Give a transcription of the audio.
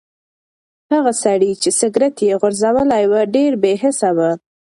هغه سړی چې سګرټ یې غورځولی و ډېر بې حسه و.